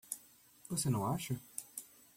Você não acha?